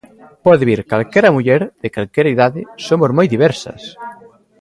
Pode vir calquera muller, de calquera idade, somos moi diversas.